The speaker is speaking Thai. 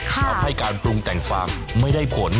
ทำให้การปรุงแต่งฟางไม่ได้ผล